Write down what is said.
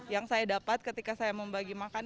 yang saya dapat ketika saya membagi makan